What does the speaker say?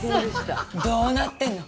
どうなってんの。